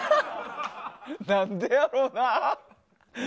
なんでやろうな？